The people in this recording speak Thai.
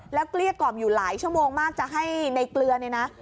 แล้วเกลี้ยกล่อมอยู่หลายชั่วโมงมากจะให้ในเกลือเนี่ยนะ